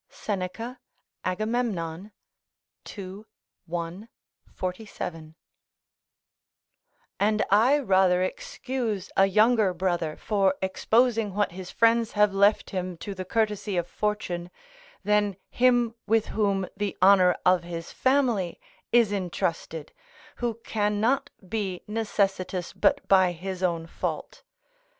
Seneca, Agamemnon, ii. 1, 47.] and I rather excuse a younger brother for exposing what his friends have left him to the courtesy of fortune, than him with whom the honour of his family is entrusted, who cannot be necessitous but by his own fault.